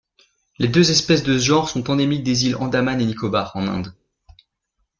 Les deux espèces de ce genre sont endémiques des îles Andaman-et-Nicobar en Inde.